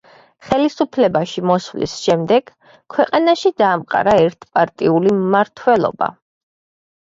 ხელისუფლებაში მოსვლის შემდეგ ქვეყანაში დაამყარა ერთპარტიული მმართველობა.